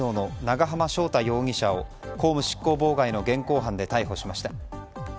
解体業の長濱正太容疑者を公務執行妨害の現行犯で逮捕しました。